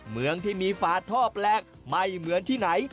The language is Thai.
เมืองที่มีฝาท่อแปลกไม่เหมือนที่ไหน